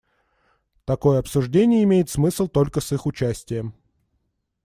Такое обсуждение имеет смысл только с их участием.